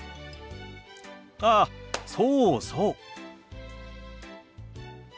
あそうそう。